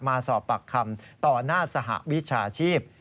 มาสอบปากคำต่อหน้าสหวิชาชีพ